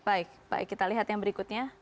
baik baik kita lihat yang berikutnya